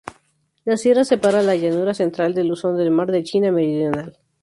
La sierra separa la llanura central de Luzón del mar de China Meridional.